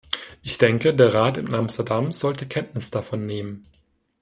Ich denke, der Rat in Amsterdam sollte Kenntnis davon nehmen.